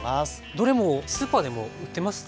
どれもスーパーでも売ってますね